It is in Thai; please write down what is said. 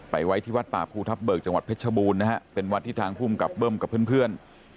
ไว้ที่วัดป่าภูทับเบิกจังหวัดเพชรบูรณ์นะฮะเป็นวัดที่ทางภูมิกับเบิ้มกับเพื่อน